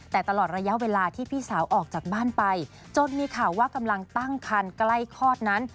แต่ตลอดระยะเวลาที่พี่สาวออกจากบ้านไปจนมีข่าวว่ากำลังตั้งคันใกล้คลอดนั้น